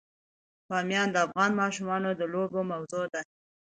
بامیان د افغان ماشومانو د لوبو موضوع ده.